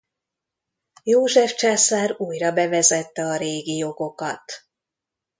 József császár újra bevezette a régi jogokat.